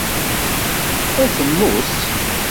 Atemmu-s.